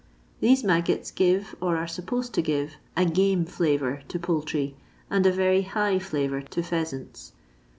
These maggots give, or are supposed to give, a "game flavour" to poultry, and a very *' hi^h " flavour to pheasants.